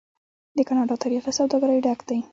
د کاناډا تاریخ له سوداګرۍ ډک دی.